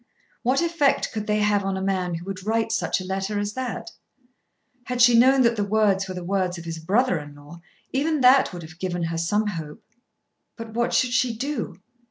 What effect could they have on a man who would write such a letter as that? Had she known that the words were the words of his brother in law, even that would have given her some hope. But what should she do?